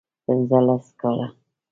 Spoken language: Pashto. پنځه لس کاله